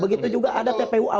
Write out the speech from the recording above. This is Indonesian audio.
begitu juga ada tpua